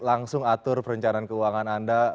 langsung atur perencanaan keuangan anda